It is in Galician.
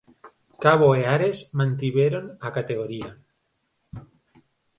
Cabo e Ares mantiveron a categoría.